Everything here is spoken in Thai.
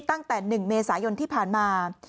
ตั้งแต่๑เมษายนที่ผ่านมา